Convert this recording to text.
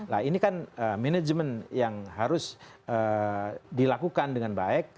nah ini kan manajemen yang harus dilakukan dengan baik